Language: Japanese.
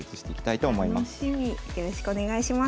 よろしくお願いします。